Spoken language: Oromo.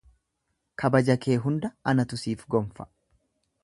Kabaja kee hunda, anatu siif gonfa